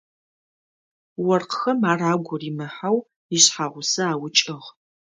Оркъхэм ар агу римыхьэу ишъхьагъусэ аукӏыгъ.